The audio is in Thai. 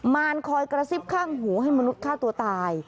มารคอยกระซิบข้างหูให้มนุษย์ฆ่าตัวตาย